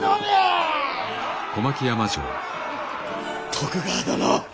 徳川殿。